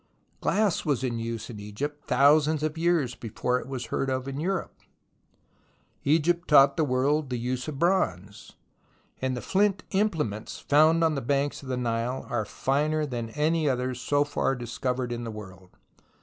Glass was in use in Egypt thousands of years before it was heard of in Europe ; Egypt taught the world the use of bronze ; and the flint imple ments found on the banks of the Nile are finer than any others so far discovered in the world.